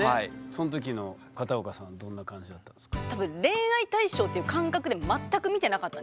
その時の片岡さんはどんな感じだったんですか？